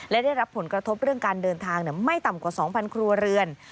และได้รับผลกระทบเรื่องการเดินทางไม่ต่ำกว่า๒๐๐ครัวเรือน